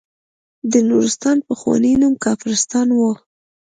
د نورستان پخوانی نوم کافرستان وه.